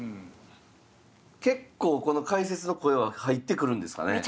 結構この解説の声は入ってくるんですかねえ。